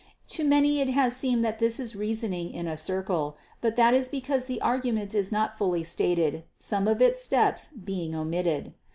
To many it has seemed that this is reasoning in a circle, but that is because the argument is not fully stated, some of its steps being omitted.